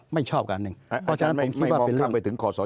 ไม่ชอบก็อันหนึ่ง